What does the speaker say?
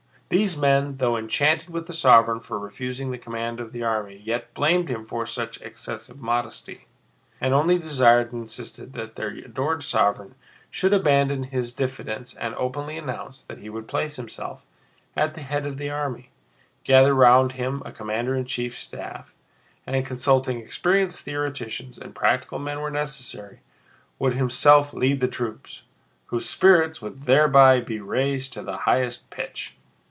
These men, though enchanted with the sovereign for refusing the command of the army, yet blamed him for such excessive modesty, and only desired and insisted that their adored sovereign should abandon his diffidence and openly announce that he would place himself at the head of the army, gather round him a commander in chief's staff, and, consulting experienced theoreticians and practical men where necessary, would himself lead the troops, whose spirits would thereby be raised to the highest pitch.